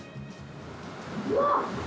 うわっ！